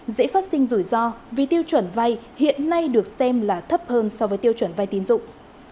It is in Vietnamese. dễ phát sinh rủi ro vì tiêu chuẩn vay hiện nay được xem là thấp hơn so với tiêu chuẩn vay tín dụng